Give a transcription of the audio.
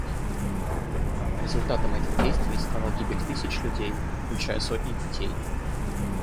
Результатом этих действий стала гибель тысяч людей, включая сотни детей.